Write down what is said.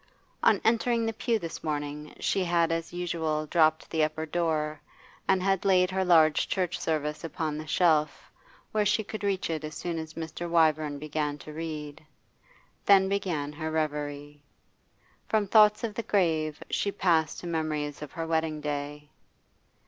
On entering the pew this morning she had as usual dropped the upper door, and had laid her large church service open on the shelf, where she could reach it as soon as Mr. Wyvern began to read. Then began her reverie. From thoughts of the grave she passed to memories of her wedding day.